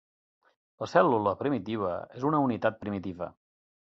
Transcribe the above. La cèl·lula primitiva és una "unitat primitiva".